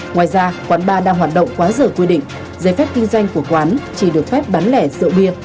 ngoài ra quán bar đang hoạt động quá dở quy định giấy phép kinh doanh của quán chỉ được phép bán lẻ rượu bia